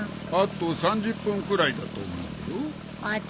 あと３０分くらいだと思うよ。